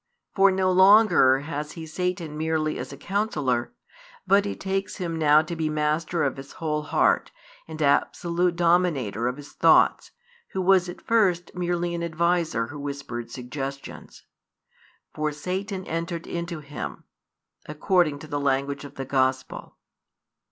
For no longer has he Satan merely as a counsellor, but he takes him now to be master of his whole heart and absolute dominator of his thoughts, who was at first merely an adviser who whispered suggestions. For Satan entered into him, according to the language of the gospel.